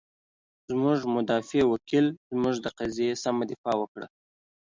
زمونږ مدافع وکیل، زمونږ د قضیې سمه دفاع وکړه.